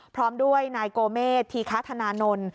พร้อมด้วยนายโกเมษธีคธนานนท์